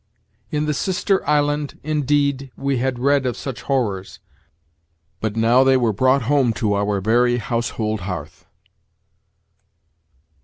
In the sister island, indeed, we had read of such horrors, but now they were brought home to our very household hearth."